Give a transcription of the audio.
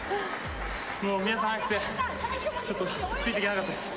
もう皆さん速くてちょっとついていけなかったです